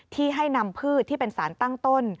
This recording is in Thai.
ที่ให้นำพืชที่เป็นสารตั้งต้น